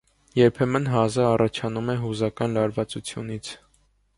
Երբեմն հազը առաջանում է հուզական լարվածությունից։